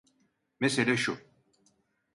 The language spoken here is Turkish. Mesele şu: